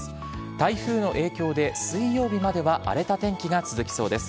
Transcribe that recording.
台風の影響で、水曜日までは荒れた天気が続きそうです。